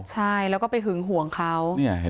ใช่แล้วก็ไปหึงห่วงเขา